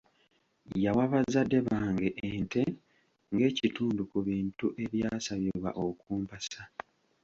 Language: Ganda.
Yawa bazadde bange ente ng'ekitundu ku bintu ebyasabibwa okumpasa.